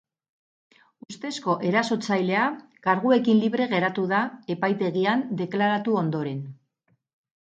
Ustezko erasotzailea karguekin libre geratu da epaitegian deklaratu ondoren.